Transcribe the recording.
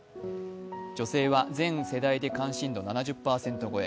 女性は全世代で関心度７０％超え。